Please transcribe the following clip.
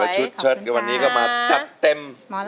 ชุดชดก่อนนี้มาจัดเต็ม